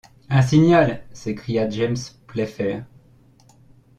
Un signal! s’écria James Playfair.